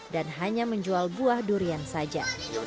dan hanya menjual buah durian saja